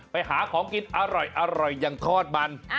ไปหาของกินอร่อยอย่างทอดมัน